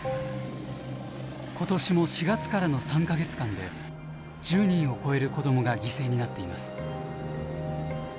今年も４月からの３か月間で１０人を超える子どもが犠牲になっています。